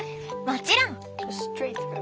もちろん。